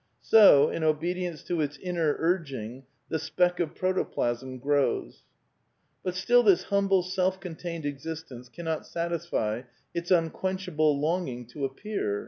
So, in obedience to its inner urging, the speck of proto plasm grows. But still this humble self contained existence cannot sat isfy its unquenchable longing to appear.